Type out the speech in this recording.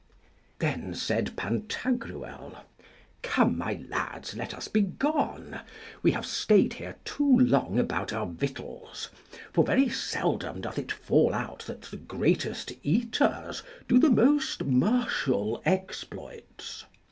Then said Pantagruel, Come, my lads, let us begone! we have stayed here too long about our victuals; for very seldom doth it fall out that the greatest eaters do the most martial exploits.